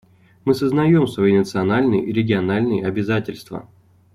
Мы сознаем свои национальные и региональные обязательства.